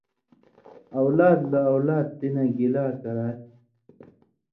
اؤلاد لہ اؤلاد تی نہ گِلا کراتھی